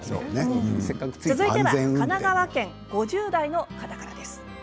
続いては神奈川県５０代の方からです。